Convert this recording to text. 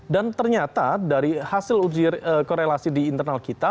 dan ternyata dari hasil ujian korelasi di internal kita